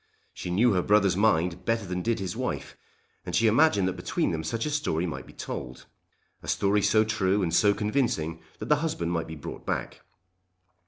She knew her brother's mind better than did his wife, and she imagined that between them such a story might be told, a story so true and so convincing that the husband might be brought back.